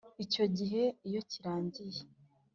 Icyo gihe iyo kirangiye